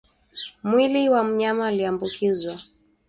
mwili wa mnyama aliyeambukizwa